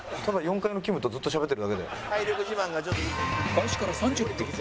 開始から３０分